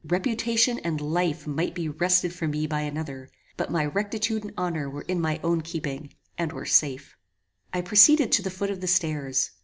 Reputation and life might be wrested from me by another, but my rectitude and honor were in my own keeping, and were safe. I proceeded to the foot of the stairs.